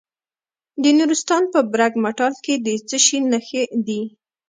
د نورستان په برګ مټال کې د څه شي نښې دي؟